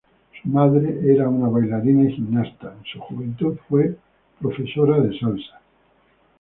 Su madre era una bailarina y gimnasta; en su juventud fue profesora de salsa.